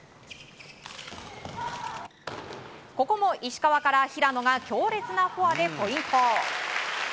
ここも石川から平野が強烈なフォアでポイント。